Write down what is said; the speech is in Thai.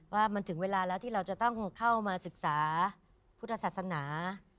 ว่ามันถึงเวลาแล้วที่เราจะต้องเข้ามาศึกษาพุทธศาสนา